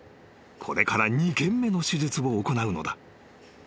これから２件目の手術を行うのだ］